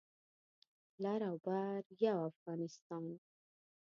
لر او بر یو افغانستان